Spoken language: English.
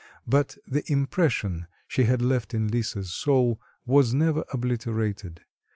But the impression she had left in Lisa's soul was never obliterated.